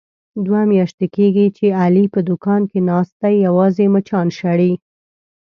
دوه میاشتې کېږي، چې علي په دوکان کې ناست دی یوازې مچان شړي.